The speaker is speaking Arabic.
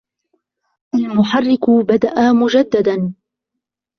المحرك بدأ مجدداً.